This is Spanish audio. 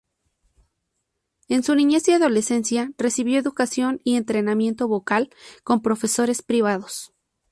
En su niñez y adolescencia recibió educación y entrenamiento vocal con profesores privados.